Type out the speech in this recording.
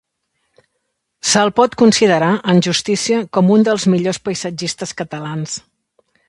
Se'l pot considerar, en justícia, com un dels millors paisatgistes catalans.